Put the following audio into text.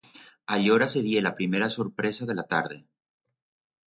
Allora se die la primera sorpresa de la tarde.